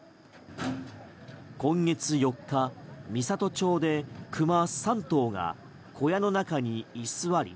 今月４日三郷町でクマ３頭が小屋の中に居座り